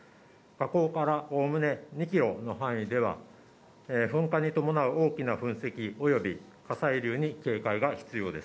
火口からおおむね２キロの範囲では噴火に伴う大きな噴石および火砕流に警戒が必要。